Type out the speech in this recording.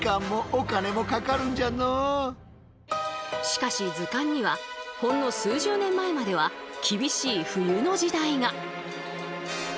しかし図鑑にはほんの数十年前までは厳しい冬の時代が。